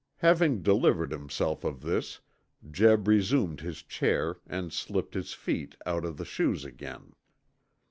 Having delivered himself of this, Jeb resumed his chair and slipped his feet out of the shoes again.